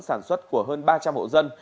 sản xuất của hơn ba trăm linh hộ dân